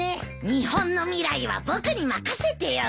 日本の未来は僕に任せてよ。